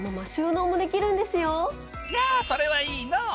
いやそれはいいのう！